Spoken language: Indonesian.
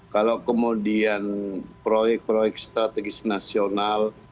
kalau kemudian proyek proyek strategis nasional